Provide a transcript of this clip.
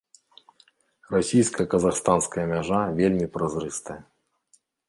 Расійска-казахстанская мяжа вельмі празрыстая.